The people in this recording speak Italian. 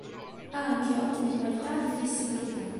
Ha anche ottime qualità di flessibilità.